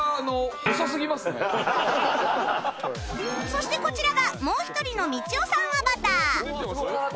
そしてこちらがもう一人のみちおさんアバター